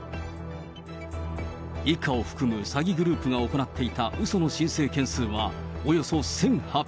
一家を含む詐欺グループが行っていたうその申請件数は、およそ１８００件。